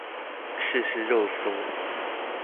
試試肉搜